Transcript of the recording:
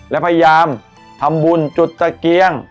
และพยายามทำบุญจุดตะเกียง